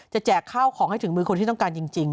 แจกข้าวของให้ถึงมือคนที่ต้องการจริง